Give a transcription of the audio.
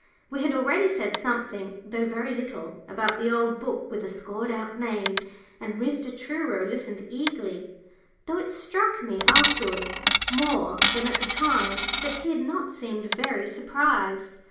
We had already said something, though very little, about the old book with the scored out name, and Mr. Truro listened eagerly, though it struck me afterwards more than at the time that he had not seemed very surprised.